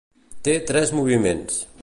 Té tres moviments.